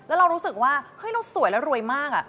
แล้วเรารู้สึกว่าเฮ้ยเราสวยแล้วรวยมาก